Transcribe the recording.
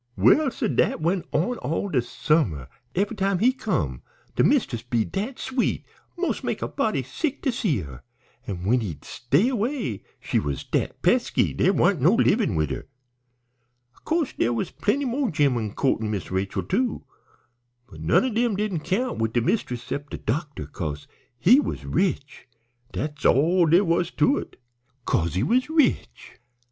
Well, suh, dat went on all de summer. Eve'y time he come de mist'ess 'd be dat sweet mos' make a body sick to see her, an' when he'd stay away she was dat pesky dere warn't no livin' wid her. Of co'se dere was plenty mo' gemmen co'rting Miss Rachel, too, but none o' dem didn't count wid de mist'ess 'cept de doctor, 'cause he was rich, dat's all dere was to 't, 'cause he was rich.